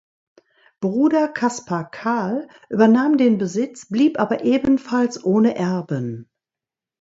Bruder Caspar Carl übernahm den Besitz, blieb aber ebenfalls ohne Erben.